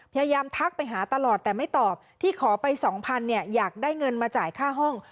ทักไปหาตลอดแต่ไม่ตอบที่ขอไปสองพันเนี่ยอยากได้เงินมาจ่ายค่าห้อง